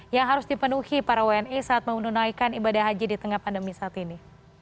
yang harus dipenuhi para wni saat menunaikan ibadah haji di tengah pandemi saat ini